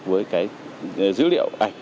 với cái dữ liệu ảnh